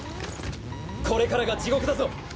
これからが地獄だぞ。